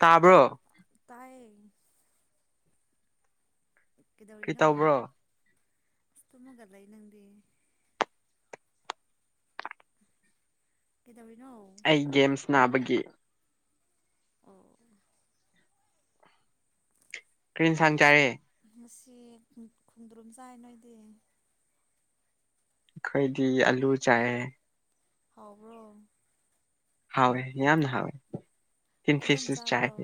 ꯇꯥꯕ꯭ꯔꯣ ꯇꯥꯏꯌꯦ ꯀꯔꯤ ꯀꯩꯗꯧꯔꯤꯅꯣ ꯇꯧꯕ꯭ꯔꯣ ꯑ ꯇꯣ ꯃꯒꯒꯥ ꯂꯩꯏ ꯅꯪꯗꯤ ꯀꯗꯕꯨꯅꯣ ꯑꯩ ꯒꯦꯝꯁ ꯅꯥꯕꯒꯤ ꯑꯣ ꯀ꯭ꯔꯤꯟ ꯁꯪ ꯆꯔꯦ ꯉꯁꯤ ꯈꯨꯣꯡꯟꯗ꯭ꯔꯝ ꯆꯥꯏ ꯅꯣꯏꯗꯤ ꯑꯩꯈꯣꯏꯗꯤ ꯑꯂꯨ ꯆꯥꯏꯑꯌꯦ ꯍꯥꯎꯕ꯭ꯔꯣ ꯍꯋꯦ ꯌꯥꯝꯅ ꯍꯋꯦ ꯐꯖꯅ ꯆꯥꯕ꯭ꯔꯣ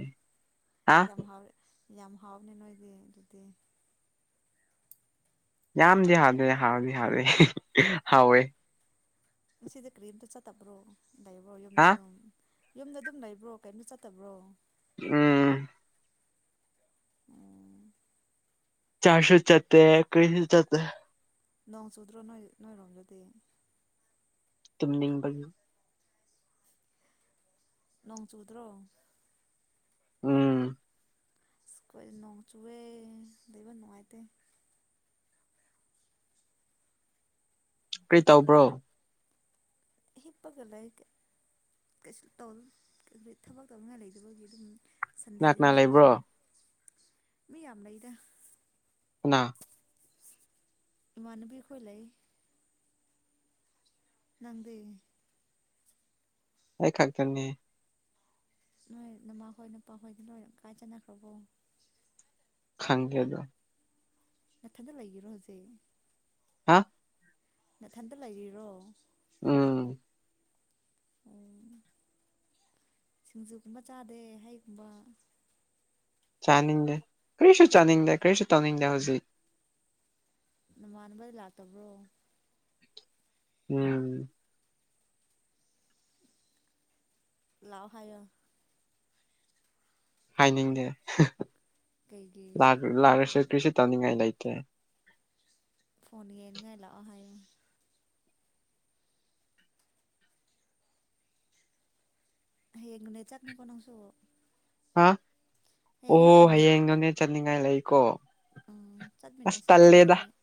ꯍꯥ ꯌꯥꯝ ꯍꯥꯎꯋꯦ ꯌꯥꯝ ꯍꯥꯎꯅꯤ ꯅꯣꯏꯗꯤ ꯑꯗꯨꯗꯤ ꯌꯥꯝꯗꯤ ꯍꯥꯥꯎꯗꯦ ꯍꯥꯎꯗꯤ ꯍꯔꯦ ꯍꯥꯎꯋꯦ ꯁꯤꯗ ꯀ꯭ꯔꯤꯝ ꯇ ꯆ ꯇꯕ꯭ꯔꯣ ꯗꯩꯕ ꯍꯥ ꯌꯨꯝꯗ ꯑꯗꯨꯝ ꯌꯨꯝꯗ ꯑꯗꯨꯝ ꯂꯩꯕ꯭ꯔꯣ ꯀꯩꯅꯝꯣ ꯆꯠꯇꯕ꯭ꯔꯣ ꯎꯝ ꯎꯝ ꯆꯥꯁꯣ ꯆꯠꯇ ꯀꯔꯤꯁꯨ ꯆꯠꯇ ꯅꯣꯡ ꯆꯨꯗ꯭ꯔꯣ ꯅꯣꯏ ꯅꯣꯏꯔꯝꯖꯗꯤꯦ ꯇꯨꯝ ꯅꯤꯡꯕꯅꯣ ꯅꯣꯡꯣꯡ ꯆꯨꯗ꯭ꯔꯣ ꯎꯝ ꯁꯀꯣꯏ ꯅꯣꯡ ꯆꯨꯑꯦ ꯂꯩꯕ ꯅꯨꯡꯉꯥꯏꯇꯦ ꯀꯔꯤ ꯇꯧꯕ꯭ꯔꯣ ꯍꯤꯞꯄꯒ ꯂꯩ ꯊꯕꯛ ꯇꯧꯅꯤꯡꯉꯥꯏ ꯂꯩꯇꯕꯒꯤ ꯑꯗꯨꯝ ꯀꯅꯥ ꯀꯅꯥ ꯁꯟꯗꯦꯗꯅ ꯑꯗꯨ ꯂꯩꯕ꯭ꯔꯣ ꯃꯤ ꯌꯥꯝ ꯂꯩꯗ ꯑ ꯏꯃꯅꯕꯤꯈꯣꯏ ꯂꯩꯏ ꯪꯗ ꯑꯩ ꯈꯥꯛꯇꯔꯅꯤ ꯅꯣꯏ ꯅꯃ ꯍꯣꯏ ꯅꯨꯄꯥ ꯈꯗ ꯅꯣꯏ ꯀꯥꯏ ꯆꯅꯈ꯭ꯔꯕꯣ ꯈꯪꯒꯦꯗ ꯃꯊꯥꯗ ꯂꯩꯔꯣꯁꯦ ꯍꯥ ꯃꯊꯟꯇ ꯂꯩꯔꯤꯔꯣ ꯎꯝ ꯑꯣ ꯁꯤꯡꯖꯨꯒꯨꯝꯕ ꯆꯥꯗꯦ ꯍꯩꯒꯨꯝꯕ ꯆꯥꯅꯤꯡꯗꯦ ꯀꯔꯤꯁꯨ ꯆꯥꯅꯤꯡꯗꯦ ꯀꯔꯤꯁꯨ ꯆꯥꯅꯤꯡꯗꯦ ꯍꯧꯖꯤꯛ ꯅꯃꯅꯕꯗꯤ ꯂꯥꯛꯇꯕ꯭ꯔꯣ ꯎꯝ ꯂꯥꯎꯍꯣ ꯍꯥꯏꯅꯤꯡꯗꯦ ꯀꯩꯒꯤ ꯂ ꯂꯦ ꯁ ꯀ꯭ꯁꯤꯤ ꯇꯉꯉꯥꯏ ꯂꯩꯥꯏꯇꯦ ꯐꯣꯟꯒꯤꯅꯒꯥꯏ ꯂꯥꯛꯑꯣ ꯍꯥꯏꯡ ꯍꯦꯒ ꯅꯦ ꯆꯠꯅꯤ ꯀꯅꯥꯁꯨꯣ ꯍꯥ ꯑꯣ ꯍꯌꯦ ꯏ ꯅꯣꯅꯦ ꯆꯠꯅꯤꯡꯉꯥꯏ ꯂꯩ ꯀꯣ ꯑꯣ ꯆꯠꯃꯤꯟꯅꯁꯦ ꯑꯗꯨ ꯍꯥꯏꯌꯦꯡ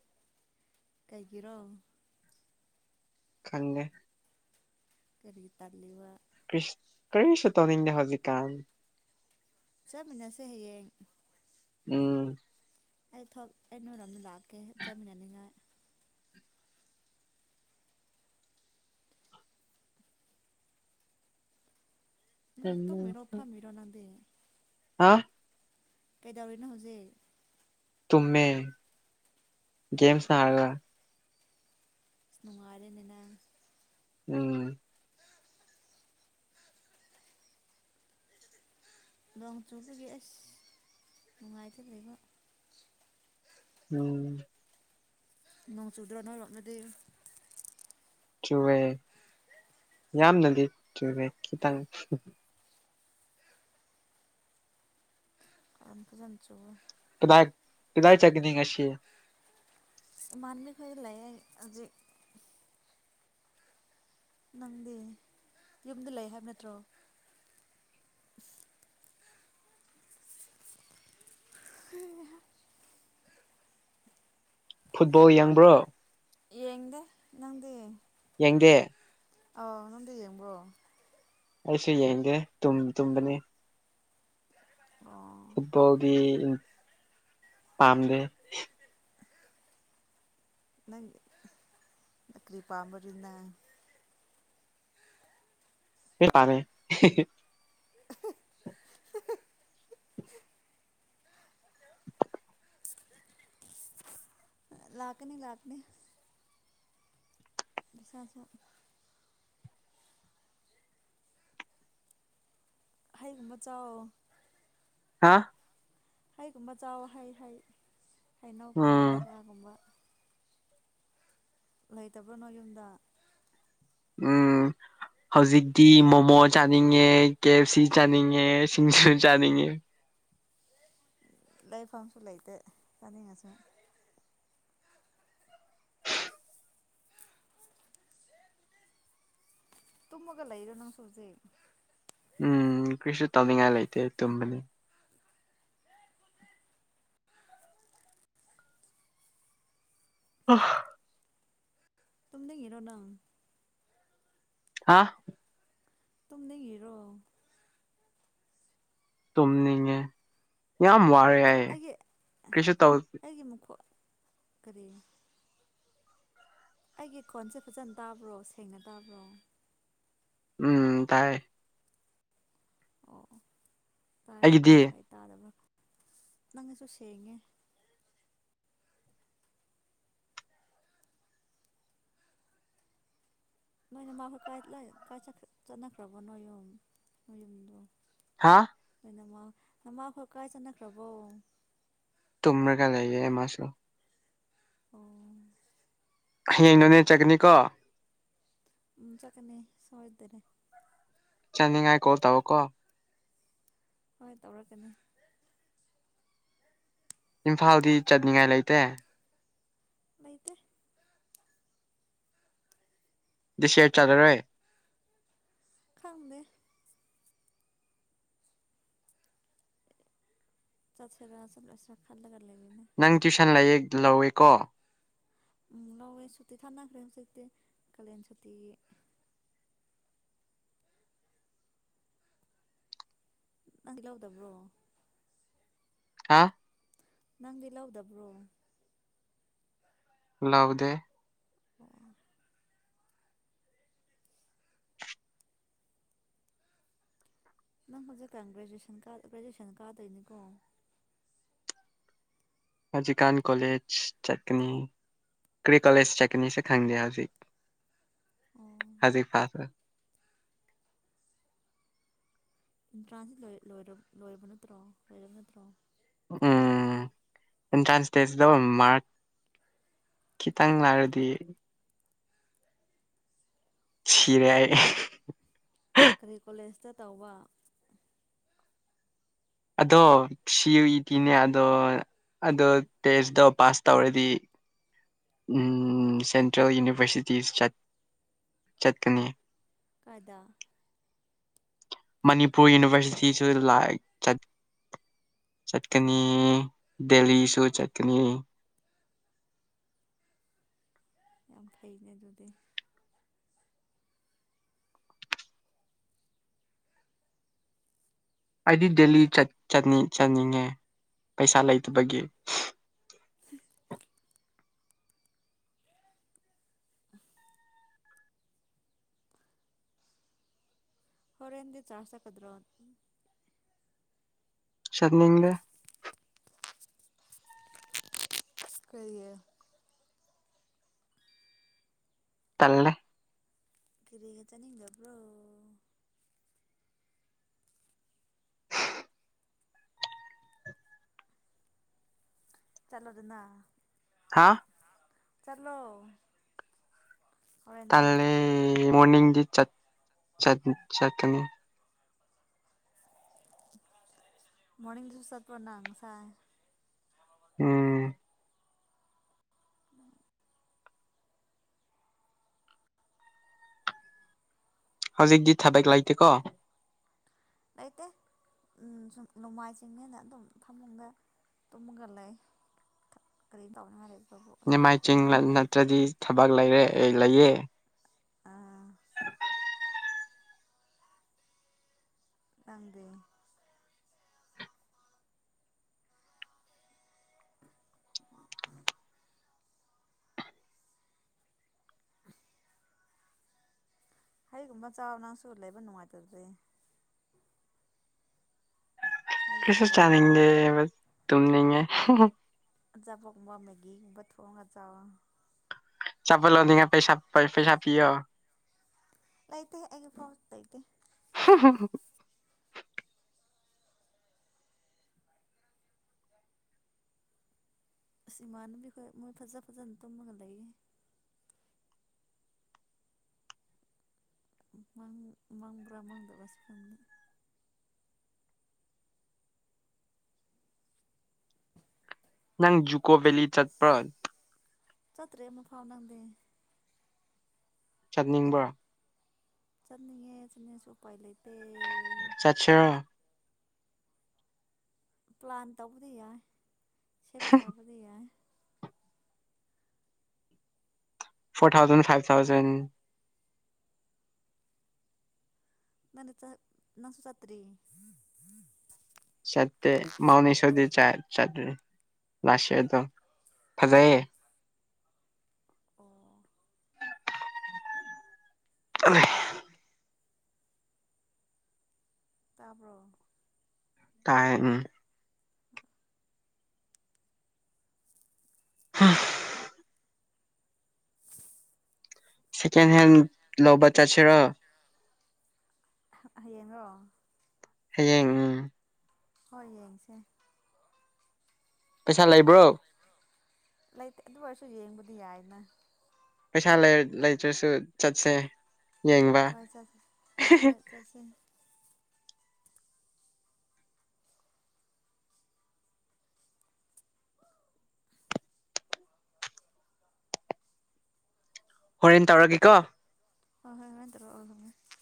ꯀꯩꯒꯤꯔꯣ ꯈꯟꯦ ꯀꯔꯤꯒꯤ ꯇꯥꯂꯤꯕ ꯀ꯭ꯔꯤꯁ ꯀꯔꯤꯁ ꯇꯅꯤꯗ ꯍꯖꯤ ꯀꯥꯟ ꯆꯠꯃꯤꯟꯅꯁꯦ ꯍꯌꯦꯡ ꯎꯝ ꯑꯩ ꯊꯣꯛ ꯑꯩ ꯅꯣꯏꯔꯝꯗ ꯂꯥꯛꯀꯦ ꯆꯠꯃꯤꯟꯅꯅꯤꯡꯉꯥꯏ ꯠꯇꯣ ꯃꯔꯣ ꯊꯥ ꯃꯔꯣꯅꯥꯗꯦ ꯍꯥ ꯀꯩꯗꯧꯔꯤꯅꯣ ꯍꯧꯖꯤꯛ ꯇꯨꯝꯃꯦ ꯑꯣ ꯦꯝꯁ ꯍꯥꯏꯔꯂ ꯅꯨꯡꯉꯥꯔꯦꯅꯦꯅ ꯎꯝ ꯂꯣꯡꯆꯣꯡꯗꯨꯒꯦ ꯑꯁ ꯅꯨꯡꯉꯥꯏꯇꯔꯕꯣ ꯎꯝ ꯅꯣꯡ ꯆꯗ꯭ꯔꯣ ꯅꯣꯢꯔꯣꯝꯗꯗꯤ ꯆꯨꯔꯦ ꯌꯥꯝꯅꯗꯤ ꯆꯨꯨꯔꯗꯦ ꯈꯤꯇꯪ ꯌꯥꯝ ꯐꯖꯟ ꯆꯨꯔꯦ ꯀꯗꯥꯢ ꯀꯗꯥꯏ ꯆꯀꯤꯅꯤꯡ ꯀꯁꯤ ꯃꯥꯟꯅ ꯈ ꯂꯩ ꯍꯧꯖꯤꯛ ꯅꯪꯗꯤ ꯌꯨꯝꯗ ꯂꯩ ꯍꯥꯏꯕ ꯅꯠꯇ꯭ꯔꯣ ꯍ ꯍꯩꯍꯥ ꯐꯨꯠꯕꯣꯜ ꯌꯦꯡꯕ꯭ꯔꯣ ꯌꯦꯡꯗ ꯅꯪꯗꯤ ꯗꯦ ꯑꯥꯎ ꯅꯪꯗꯤ ꯌꯦꯡꯕ꯭ꯔꯣ ꯑꯩꯁꯨ ꯌꯦꯡꯗꯦ ꯇꯨꯝ ꯇꯨꯝꯕꯅꯤ ꯑꯣ ꯐꯨꯠꯕꯣꯜꯗꯤ ꯄꯥꯝꯗ ꯅꯪ ꯀ꯭ꯔꯤ ꯄꯥꯝꯕꯔꯤꯅ ꯍ ꯄꯥꯃꯦ ꯍꯤ ꯍꯤ ꯑꯍ ꯍ ꯍ ꯂꯥꯛꯀꯅꯤ ꯂꯥꯛꯀꯅꯤ ꯁꯥꯖ ꯍꯥꯏꯩꯒꯨꯝꯕ ꯆꯥꯎ ꯍꯥ ꯍꯩꯒꯨꯝꯕ ꯆꯥꯎꯕ ꯍꯩ ꯍꯩ ꯎꯝ ꯍꯩꯅꯎꯒꯨꯝꯕ ꯍꯩꯒꯥꯥꯒꯨꯝꯕ ꯂꯩꯇꯕ꯭ꯔꯣ ꯅꯣꯢ ꯌꯨꯝꯗ ꯎꯝ ꯍꯧꯖꯤꯛꯇꯤ ꯃꯣꯃꯣ ꯆꯥꯅꯤꯡꯉꯦ ꯀꯦ ꯑꯦꯐ ꯁꯤ ꯆꯥꯅꯤꯡꯉꯦ ꯁꯤꯡꯖꯨ ꯆꯥꯅꯤꯡꯉꯦ ꯂꯩꯐꯝꯁꯨ ꯂꯩꯇꯦ ꯆꯥꯅꯤꯡꯉꯁꯨ ꯇꯨꯝꯃꯒ ꯂꯩꯔ ꯅꯪꯁꯨ ꯍꯧꯖꯤꯛ ꯎꯝ ꯀ꯭ꯔꯤꯁꯨ ꯇꯧꯅꯤꯡꯉꯥꯏ ꯂꯩꯇꯦ ꯇꯨꯝꯕꯅꯤ ꯑ ꯇꯨꯝꯅꯤꯡꯉꯤꯔꯣ ꯅꯪ ꯍꯥꯥ ꯇꯨꯝꯅꯤꯡꯉꯤꯔꯣ ꯇꯨꯝꯅꯤꯡꯉꯦ ꯌꯥꯝ ꯋꯥꯔꯦ ꯌꯦ ꯑꯩꯒꯤ ꯀ꯭ꯔꯤꯁ ꯇꯧꯁꯤ ꯑꯩꯒꯤ ꯃꯈꯣꯟ ꯀꯔꯤ ꯑꯩꯒꯤ ꯈꯣꯟꯁꯦ ꯐꯖꯅ ꯇꯥꯕ꯭ꯔꯣ ꯁꯦꯡꯅ ꯇꯥꯕ꯭ꯔꯣ ꯎꯝ ꯇꯥꯏ ꯑꯣ ꯇꯥꯔꯗꯤ ꯑꯩꯒꯤꯗꯤ ꯐꯩ ꯇꯗꯕ ꯅꯪꯒꯤꯁꯨ ꯁꯦꯡꯉꯦ ꯅꯣꯏꯅ ꯃꯥꯈꯣꯏ ꯆꯠꯅꯈ꯭ꯔꯕꯣ ꯅꯣꯏ ꯌꯨꯝ ꯅꯣꯏ ꯌꯨꯝꯗꯣ ꯍꯥꯥ ꯅꯃꯛ ꯍꯀꯥꯏ ꯆꯅꯈ꯭ꯔꯕꯣ ꯇꯨꯝꯔꯀ ꯂꯩꯌꯦ ꯃꯥꯁꯨ ꯑꯣ ꯍꯌꯦꯡ ꯅꯣꯅꯦ ꯆꯠꯒꯅꯤꯀꯣ [unintelligible] ꯆꯅꯤꯡꯉꯥꯏ ꯀꯣꯜ ꯇꯧ ꯀꯣ ꯍꯣꯏ ꯍꫭꯏ ꯇꯧꯔ ꯏꯝꯐꯥꯜꯗꯤ ꯆꯠꯅꯤꯡꯉꯥꯏ ꯂꯩꯇꯦ ꯂꯩꯇꯦ [unintelligible] ꯈꯪꯗ ꯆꯠꯁꯦ ꯈꯜꯂꯒ ꯂꯦ ꯅꯪ ꯇ꯭ꯋꯏꯁꯟ ꯂꯩꯌꯦ ꯂꯧꯋꯦꯀꯣ ꯂꯧꯋꯦ ꯁꯨꯇꯤ ꯊꯥꯅꯈ꯭ꯔꯦ ꯍꯧꯖꯤꯛꯇꯤ ꯀꯥꯂꯦꯟ ꯁꯨꯇꯤ [inaudible] ꯍꯥ ꯅꯪꯗꯤ ꯂꯧꯗꯕ꯭ꯔꯣ ꯂꯧꯗꯦ ꯅꯪ ꯍꯧꯖꯤꯛꯀ ꯒ꯭ꯔꯦꯖꯨꯟ ꯒ꯭ꯔꯦꯖꯨꯋꯦꯁꯟ ꯀꯥꯔꯗꯣꯏꯅꯤꯀꯣ ꯍꯧꯖꯤ ꯀꯥꯟ ꯀꯂꯦꯖ ꯆꯠꯅꯤ ꯀ꯭ꯔꯤ ꯀꯂꯦꯖ ꯆꯅꯤ ꯁꯦ ꯈꯥꯡꯅꯤꯡꯗꯦ ꯍꯧꯖꯤꯛ ꯑꯣ ꯍꯖꯤꯛ ꯐꯥꯁ ꯑꯦꯟꯇ꯭ꯔꯥꯟꯁꯁꯤ ꯂꯣꯏꯔꯕ ꯅꯠꯇ꯭ꯔꯣ ꯂꯣꯏꯔꯕ ꯅꯠꯇ꯭ꯔꯣ ꯎꯝ ꯑꯦꯟꯇ꯭ꯔꯥꯟꯁ ꯗꯦꯠꯁꯤꯗ ꯃꯥꯔꯛ ꯈꯤꯇꯪ ꯂꯥꯛꯔꯗꯤ ꯁꯤꯔꯦ ꯇꯋꯥ ꯑꯗꯣ ꯁꯤ ꯌꯨ ꯏ ꯇꯤꯅꯦ ꯑꯗꯣ ꯑꯗꯣ ꯇꯦꯁꯇꯣ ꯄꯥꯁ ꯇꯧꯔꯗꯤ ꯁꯦꯟꯇ꯭ꯔꯦꯜ ꯌꯨꯅꯤꯚꯔꯁꯤꯇꯤ ꯆꯠꯀꯅꯤ ꯀꯗꯥ ꯃꯅꯤꯄꯨꯔ ꯌꯨꯅꯤꯚꯔꯁꯤꯇꯤꯁꯨꯠ ꯆꯠꯀꯅꯤ ꯑꯣ ꯗꯦꯂꯤꯁꯨ ꯆꯠꯅꯤ ꯌꯥꯝ ꯐꯩꯅꯦ ꯑꯗꯨꯗꯤ ꯑꯩꯗꯤ ꯗꯦꯜꯂꯤꯠ ꯆꯠꯅꯤꯡꯉꯦ ꯄꯩꯁꯥ ꯂꯩꯇꯕꯒꯤ [inaudible] ꯍꯔꯦꯟꯟ ꯆꯥꯁ ꯀꯗ꯭ꯔꯣ ꯁꯠꯅꯤꯡꯗꯦ ꯀꯩꯌꯦ ꯇꯂꯦ ꯀꯔꯤꯒꯇꯅꯤꯡ ꯕ꯭ꯔꯣ ꯆꯂꯣꯗꯅ ꯍꯥ ꯆꯂꯣ ꯀꯜꯂ ꯃꯣꯔꯅꯤꯡꯗꯤ ꯆꯠꯀꯅꯤ ꯃꯅꯤ ꯁꯁꯠꯄꯅꯁꯥꯏ ꯎꯝ ꯎꯝ ꯍꯧꯖꯤꯛꯗꯤ ꯊꯥꯕꯦꯛꯦꯛ ꯂꯥꯏꯇꯦꯀꯣ ꯂꯩꯇꯦ ꯁꯨꯝ ꯅꯣꯡꯃꯥꯏ ꯆꯤꯡꯅꯦꯅ ꯑꯗꯨꯝ ꯊꯝꯃꯒ ꯇꯨꯝꯃꯒ ꯂꯩ ꯀꯔꯤ ꯇꯧꯅꯤ ꯍꯥꯏꯔꯁꯦ ꯅꯤꯃꯥꯏ ꯆꯤꯡ ꯅꯠꯇ꯭ꯔꯗꯤ ꯊꯕꯛ ꯂꯩꯔꯦ ꯑꯩ ꯂꯩꯌꯦ ꯑꯥ ꯅꯪꯗꯤ ꯍꯩꯒꯨꯝꯕ ꯆꯥꯎ ꯅꯪꯁꯨ ꯂꯩꯕ ꯅꯨꯡꯉꯥꯏꯇꯗꯦ ꯀꯩꯁꯨ ꯍꯩꯒꯨꯝꯕ ꯆꯥꯅꯤꯡꯗꯦ ꯇꯨꯝꯅꯤꯡꯉꯦ ꯑꯆꯥꯄꫭꯠ ꯒꯨꯝꯕ ꯃꯦꯒꯤ ꯒꯨꯝꯕ ꯊꯣꯡꯒ ꯆꯥꯎꯋꫭ ꯑꯆꯥꯄꫭꯠ ꯂꯩꯅꯤꯉꯥꯏ ꯄꯩꯁ ꯄꯩꯁꯥ ꯄꯤꯌꯣ ꯂꯩꯥꯏꯇ ꯍꯦ ꯑꯩꯒꯤ ꯐꯧ ꯂꯩꯇꯦ [unintelligible] ꯑꯁ ꯏꯃꯥꯟꯅꯕꯤꯈꯣꯏ ꯃꯣꯏ ꯐꯖ ꯐꯖꯅ ꯇꯨꯝꯃꯒ ꯂꯩꯌꯦ ꯃꯡ ꯃꯥꯡꯕ꯭ꯔꯥ ꯃꯥꯡꯗꯕ꯭ꯔꯁꯨ ꯀꯪꯗꯦ ꯅꯪ ꯖꯨꯀꯣ ꯕꯦꯂꯤ ꯆꯠꯄ ꯆꯠꯇꯔꯤ ꯑꯃꯨꯛꯐꯥꯎ ꯅꯪꯗꯤ ꯆꯠꯅꯤꯡꯕ꯭ꯔ ꯆꯠꯅꯤꯡꯉꯦ ꯆꯠꯅꯤꯁꯨ ꯎꯄꯥꯏ ꯂꯩꯇꯦ ꯆꯠꯁꯤꯔ ꯄ꯭ꯂꯥꯟ ꯇꯧꯕꯗꯤ ꯌꯥꯏ ꯁꯦꯝ ꯁꯥꯕꯗꯤ ꯌꯥꯏ ꯐꯣꯔ ꯊꯥꯎꯖꯟ ꯐꯥꯏꯚ ꯊꯥꯎꯖꯟ ꯅꯪꯅ ꯆꯠ ꯅꯪꯁꯨ ꯆꯠꯇ꯭ꯔꯤ ꯆꯥꯠꯇꯦ ꯃꯥꯎꯟ ꯏ ꯁꫭ ꯗꯤ ꯆꯥ ꯆꯥꯠꯔꯦ ꯂꯥꯁꯑꯦꯗꫭ ꯐꯥꯖꯥꯏꯌꯦ ꯑꯣ [unintelligible] ꯇꯥꯕ꯭ꯔꫭ ꯇꯥꯏꯌꯦ ꯎꯝ [unintelligible] ꯁꯦꯀꯦꯟ ꯍꯦꯟ ꯂꯧꯕ ꯆꯥꯁꯤꯔ ꯍꯌꯦꯡꯔꫭ ꯍꯌꯦꯡ ꯎꯝ ꯍꯣꯏ ꯌꯦꯡꯁꯦ ꯄꯩꯁꯥ ꯂꯩꯕ꯭ꯔꯣ ꯂꯩꯇꯦ ꯑꯗꯨ ꯑꯣꯏꯔꯁꯨ ꯌꯦꯡꯕꯗꯤ ꯌꯥꯏꯅ ꯄꯩꯁꯥ ꯂꯩꯇ꯭ꯔꯁꯨ ꯆꯠꯁꯦ ꯌꯦꯡꯕ ꯍꯣꯏ ꯆꯠ ꯍꯣꯏ ꯆꯥꯠꯁꯤ ꯍꯣꯔꯦꯟ ꯇꯧꯔꯒꯦꯀꯣ ꯍꯣꯏ ꯍꯣꯏ ꯍꯣꯏ ꯍꫭꯔꯦꯟ ꯇꯧꯔꯛꯑꫭ ꯇꯝꯄꯦ